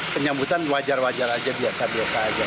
penyambutan wajar wajar aja biasa biasa aja